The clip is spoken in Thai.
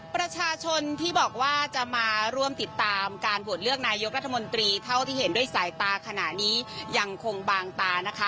ประชาชนที่บอกว่าจะมาร่วมติดตามการโหวตเลือกนายกรัฐมนตรีเท่าที่เห็นด้วยสายตาขณะนี้ยังคงบางตานะคะ